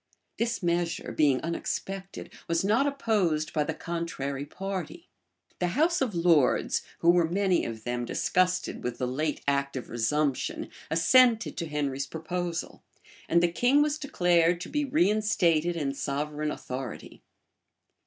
This measure, being unexpected, was not opposed by the contrary party; the house of lords, who were many of them disgusted with the late act of resumption, assented to Henry's proposal; and the king was declared to be reinstated in sovereign authority.